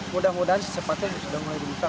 mudah mudahan secepatnya sudah mulai dibuka